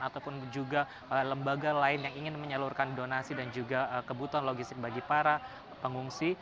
ataupun juga lembaga lain yang ingin menyalurkan donasi dan juga kebutuhan logistik bagi para pengungsi